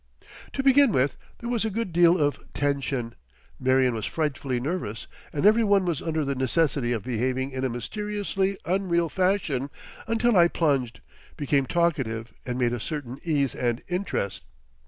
To begin with there was a good deal of tension, Marion was frightfully nervous and every one was under the necessity of behaving in a mysteriously unreal fashion until I plunged, became talkative and made a certain ease and interest.